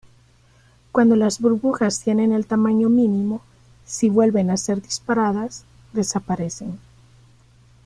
Cuando las burbujas tienen el tamaño mínimo, si vuelven a ser disparadas, desaparecen.